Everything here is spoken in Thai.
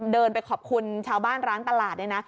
เดินไปขอบคุณชาวบ้านร้านตลาดเนี่ยนะ